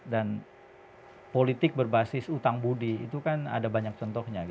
dan politik berbasis utang budi itu kan ada banyak contohnya